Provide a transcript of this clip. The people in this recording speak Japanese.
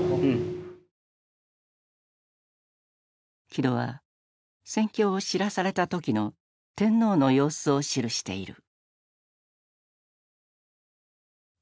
木戸は戦況を知らされた時の天皇の様子を記している。